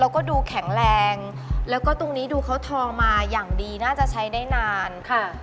แล้วก็ดูแข็งแรงแล้วก็ตรงนี้ดูเขาทองมาอย่างดีน่าจะใช้ได้นานค่ะ